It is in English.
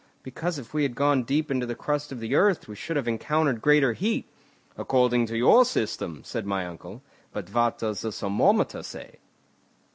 "Because if we had gone deep into the crust of earth, we should have encountered greater heat." "According to your system," said my uncle. "But what does the thermometer say?"